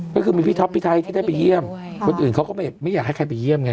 ก็คือมีพี่ท็อปพี่ไทยที่ได้ไปเยี่ยมคนอื่นเขาก็ไม่อยากให้ใครไปเยี่ยมไง